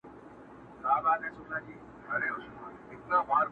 جهاني تا چي به یې شپې په کیسو سپینې کړلې!